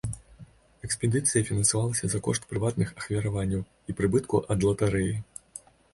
Экспедыцыя фінансавалася за кошт прыватных ахвяраванняў і прыбытку ад латарэі.